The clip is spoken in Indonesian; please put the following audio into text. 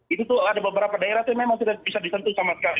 itu tuh ada beberapa daerah itu memang tidak bisa disentuh sama sekali